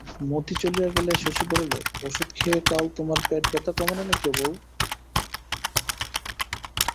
মতি চলিয়া গেলে শশী বলিল, ওষুধ খেয়ে কাল তোমার পেটব্যথা কমেনি নাকি বৌ?